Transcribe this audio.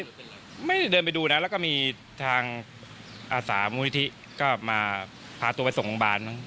ไม่ได้เดินไปดูนะแล้วก็มีทางอาสามูลนิธิก็มาพาตัวไปส่งโรงพยาบาลมั้ง